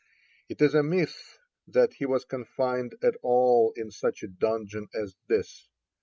It is a myth that he was confined at all in such a dungeon as this.